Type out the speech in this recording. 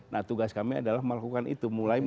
nah tugas kami adalah melakukan itu mulai